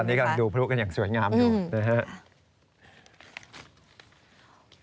ตอนนี้กำลังดูพระพุทธกันอย่างสวยงามอยู่